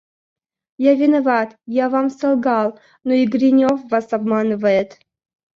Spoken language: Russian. – Я виноват, я вам солгал; но и Гринев вас обманывает.